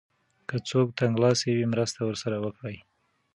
که څوک تنګلاسی وي مرسته ورسره وکړئ.